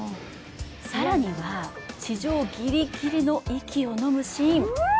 更には、地上ギリギリの息をのむシーン。